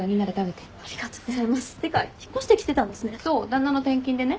旦那の転勤でね。